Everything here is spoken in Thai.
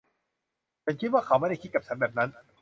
ฉันคิดว่าเค้าไม่ได้คิดกับฉันแบบนั้น